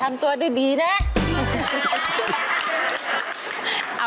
เออทำตัวด้วยดีน่ะ